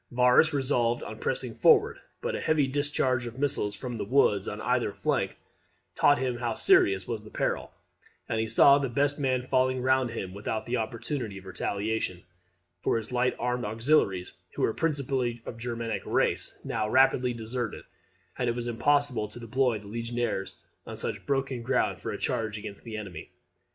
Varus resolved on pressing forward; but a heavy discharge of missiles from the woods on either flank taught him how serious was the peril, and he saw the best men falling round him without the opportunity of retaliation; for his light armed auxiliaries, who were principally of Germanic race, now rapidly deserted, and it was impossible to deploy the legionaries on such broken ground for a charge against the enemy.